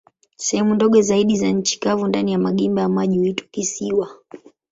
Sehemu ndogo zaidi za nchi kavu ndani ya magimba ya maji huitwa kisiwa.